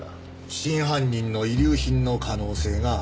真犯人の遺留品の可能性がある。